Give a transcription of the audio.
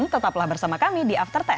tetaplah bersama kami di after sepuluh